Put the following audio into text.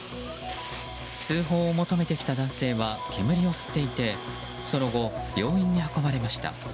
通報を求めてきた男性は煙を吸っていてその後、病院に運ばれました。